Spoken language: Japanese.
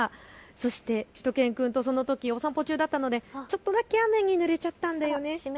そしてしゅと犬くんとそのときお散歩中だったのでちょっとだけ雨にぬれちゃったよね。